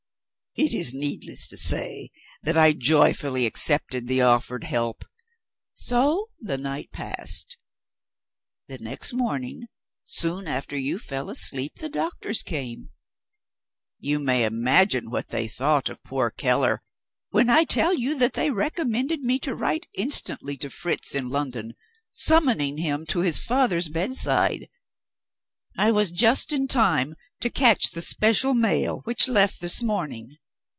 It is needless to say that I joyfully accepted the offered help. So the night passed. The next morning, soon after you fell asleep, the doctors came. You may imagine what they thought of poor Keller, when I tell you that they recommended me to write instantly to Fritz in London summoning him to his father's bedside. I was just in time to catch the special mail which left this morning.